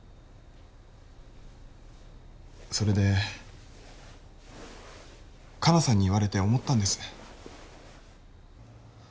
それで香菜さんに言われて思ったんです